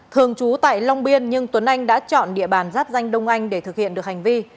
thường trú tại long biên nhưng tuấn anh đã chọn địa bàn giáp danh đông anh để thực hiện được hành vi